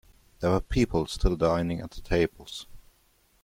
There were people still dining at the tables.